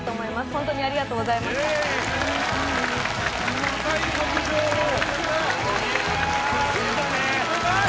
ホントにありがとうございましたいや出たね・スゴい！